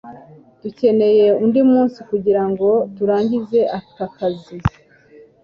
Dukeneye undi munsi kugirango turangize aka kazi